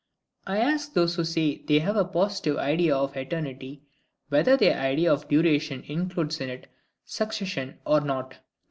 I ask those who say they have a positive idea of eternity, whether their idea of duration includes in it succession, or not?